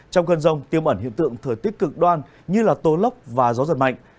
trong cơn rông tiêm ẩn hiện tượng thời tiết cực đoan như tố lốc và gió giật mạnh